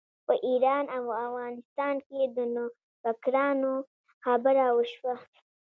په ایران او افغانستان کې د نوفکرانو خبره وشوه.